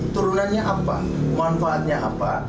turunannya apa manfaatnya apa